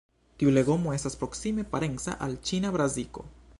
Tiu legomo estas proksime parenca al ĉina brasiko.